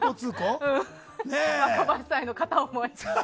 若林さんへと片思い。